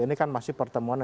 ini kan masih pertemuan